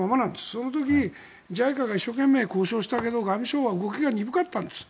その時、ＪＩＣＡが一生懸命交渉したけど外務省は動きが鈍かったんです。